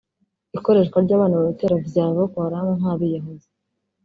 Ikoreshwa ry'abana mu bitero vya Boko Haram nk'abiyahuzi